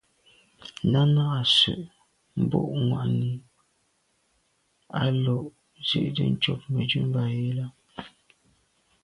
Náná à’sə̌’ mbu’ŋwà’nǐ á lǒ’ nzi’tə ncob Mə̀dʉ̂mbὰ yi lα.